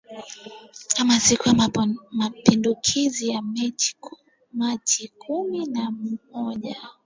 ama siku ya mapinduzi ya machi kumi na moja